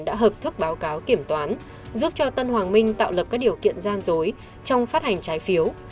đã hợp thức báo cáo kiểm toán giúp cho tân hoàng minh tạo lập các điều kiện gian dối trong phát hành trái phiếu